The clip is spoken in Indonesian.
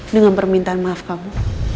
dengan permintaan maaf kamu